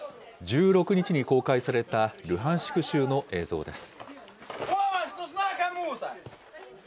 １６日に公開されたルハンシク州の映像です。